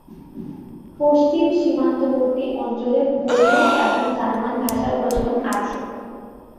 পশ্চিম সীমান্তবর্তী অঞ্চলে পোলীয় এবং জার্মান ভাষার প্রচলন আছে।